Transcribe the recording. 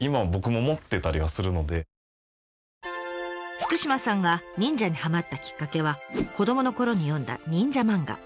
福島さんが忍者にはまったきっかけは子どものころに読んだ忍者漫画。